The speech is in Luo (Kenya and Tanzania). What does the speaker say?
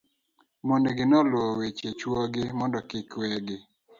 mondegi noluwo weche chuo gi mondo kik we gi